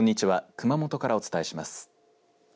熊本からお伝えします。